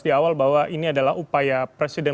di awal bahwa ini adalah upaya presiden